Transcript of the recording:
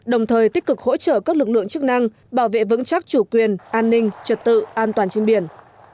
đồng thời tích cực hỗ trợ các lực lượng chức năng bảo vệ vững chắc chủ quyền an ninh trật tự an toàn trên biển